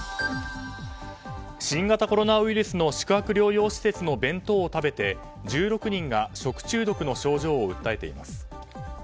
新型コロナウイルスの宿泊療養施設の弁当を食べて、１６人が食中毒の症状を訴えています。